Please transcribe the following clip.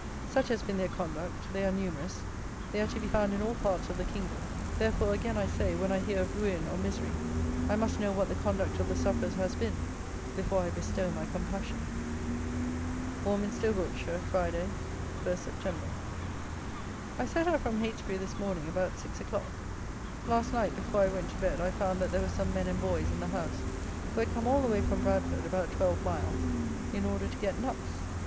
Such has been their conduct; they are numerous: they are to be found in all parts of the kingdom: therefore again I say, when I hear of "ruin" or "misery," I must know what the conduct of the sufferers has been before I bestow my compassion. Warminster (Wilts), Friday, 1st Sept. I set out from Heytesbury this morning about six o'clock. Last night, before I went to bed, I found that there were some men and boys in the house, who had come all the way from Bradford, about twelve miles, in order to get nuts.